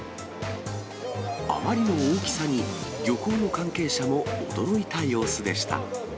あまりの大きさに、漁港の関係者も驚いた様子でした。